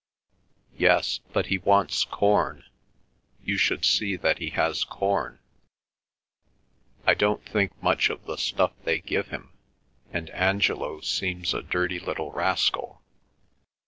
"Yes, but he wants corn. You should see that he has corn." "I don't think much of the stuff they give him; and Angelo seems a dirty little rascal."